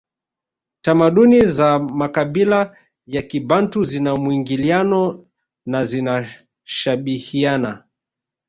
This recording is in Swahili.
Tamaduni za makabila ya kibantu zina mwingiliano na zinashabihiana